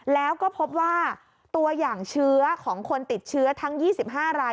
แล้วก็พบว่าตัวอย่างเชื้อของคนติดเชื้อทั้ง๒๕ราย